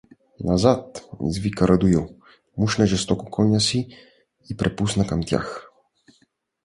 — Назад! — извика Радоил, мушна жестоко коня си п препусна към тях.